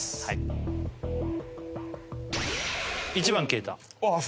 はい１番消えたああ